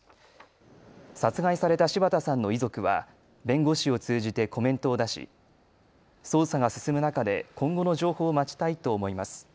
殺害された柴田さんの遺族は弁護士を通じてコメントを出し捜査が進む中で今後の情報を待ちたいと思います。